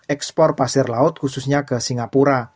ekspor pasir laut khususnya ke singapura